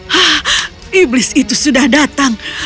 hah iblis itu sudah datang